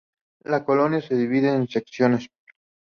La colonia se divide en secciones.